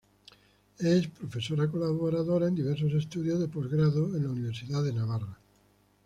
Es Profesora colaboradora en diversos estudios de postgrado en la Universidad de Navarra.